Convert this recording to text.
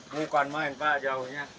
bukan main pak jauhnya